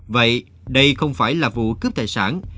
vậy đây không phải là vụ cướp tài sản